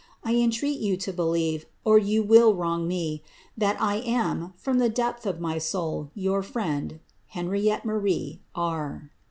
I entreat you to believe, or you will wrong me, tliai I am, from the depth of ray soul, your friend, Hiskiittb Masib R."